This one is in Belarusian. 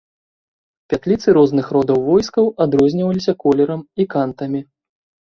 Пятліцы розных родаў войскаў адрозніваліся колерам і кантамі.